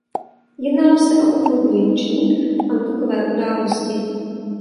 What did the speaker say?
Jednalo se o úvodní ročník antukové události.